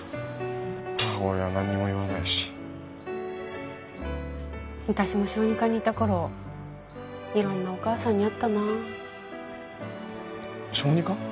母親は何も言わないし私も小児科にいたころいろんなお母さんに会ったなあ小児科？